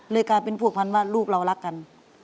กลายเป็นผัวพันว่าลูกเรารักกัน